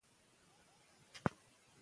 ماشوم د مور له خبرې ارام اخلي.